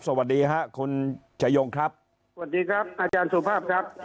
สวัสดีค่ะคุณชายงครับสวัสดีครับอาจารย์สุภาพครับ